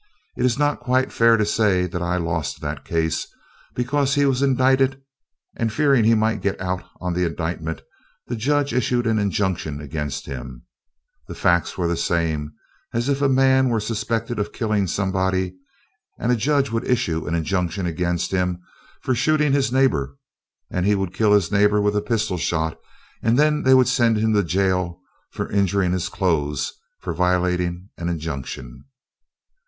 It is not quite fair to say that I lost that case, because he was indicted and fearing he might get out on the indictment the judge issued an injunction against him. The facts were the same as if a man were suspected of killing somebody and a judge would issue an injunction against him for shooting his neighbor and he would kill his neighbor with a pistol shot and then they would send him to jail for injuring his clothes for violating an injunction.